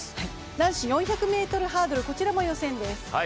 男子４００ｍハードル、こちらも予選です。